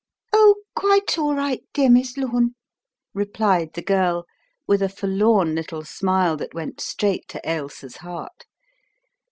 "Oh, quite all right, dear Miss Lome," replied the girl with a forlorn little smile that went straight to Ailsa's heart.